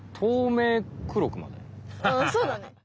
そうだね。